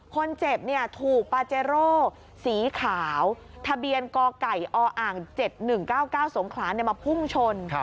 คนเจ็บถูกปาเจโร่สีขาวทะเบียนกไก่ออ่าง๗๑๙๙สงขลามาพุ่งชน